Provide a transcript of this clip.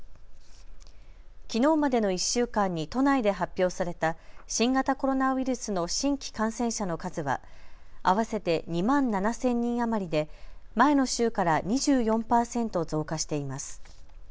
きのうまでの１週間に都内で発表された新型コロナウイルスの新規感染者の数は合わせて２万７０００人余りで前の週から２４％増加しています。